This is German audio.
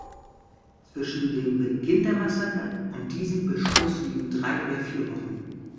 Zwischen dem Beginn der Massaker und diesem Beschluss liegen drei oder vier Wochen.